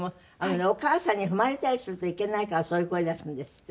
お母さんに踏まれたりするといけないからそういう声出すんですって。